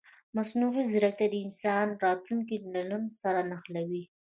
مصنوعي ځیرکتیا د انسان راتلونکی له نن سره نښلوي.